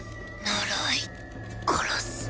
呪い殺す。